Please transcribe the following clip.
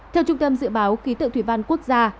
theo trung tâm dự báo khí tượng thủy văn quốc gia